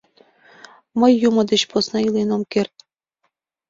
Мый юмо деч посна илен ом керт!..